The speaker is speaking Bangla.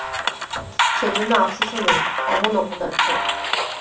সেজন্য আপসোসও নেই, এমন অপদার্থ।